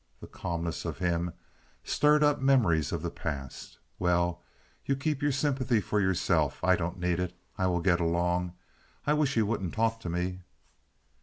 The calmness of him stirred up memories of the past. "Well, you keep your sympathy for yourself. I don't need it. I will get along. I wish you wouldn't talk to me."